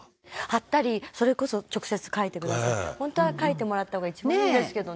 「貼ったりそれこそ直接書いてくださる」「ホントは書いてもらったほうが一番いいんですけどね」